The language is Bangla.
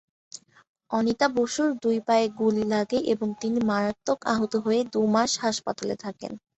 অনিতা বসুর দুই পায়ে গুলি লাগে এবং তিনি মারাত্মক আহত হয়ে দু মাস হাসপাতালে থাকেন।